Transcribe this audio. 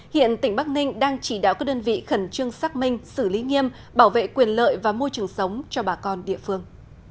hiện tỉnh bắc ninh đang chỉ đạo các đơn vị khẩn trương xác minh xử lý nghiêm bảo vệ quyền lợi và môi trường sống cho bà con địa phương